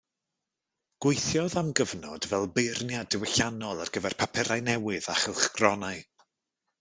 Gweithiodd am gyfnod fel beirniad diwylliannol ar gyfer papurau newydd a chylchgronau.